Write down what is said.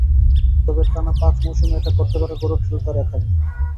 তবে টানা পাঁচ মৌসুমে এটা করতে পারার গৌরব শুধু তাঁর একারই।